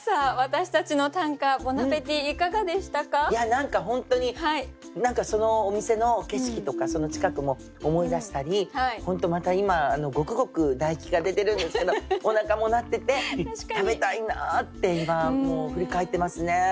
何か本当にそのお店の景色とかその近くも思い出したり本当また今ゴクゴク唾液が出てるんですけどおなかも鳴ってて食べたいなって今もう振り返ってますね。